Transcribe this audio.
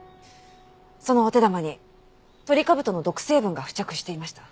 そのお手玉にトリカブトの毒成分が付着していました。